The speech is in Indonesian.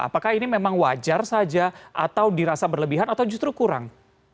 apakah ini memang wajar saja atau dirasa berlebihan atau justru kurang